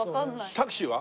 タクシーは？